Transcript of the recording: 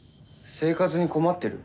生活に困ってる？